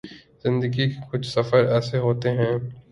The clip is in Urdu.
زندگی کے کچھ سفر ایسے ہوتے ہیں